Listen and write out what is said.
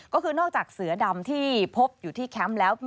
ก็คือนอกจากเสือดำที่พบอยู่ที่แคมป์แล้ว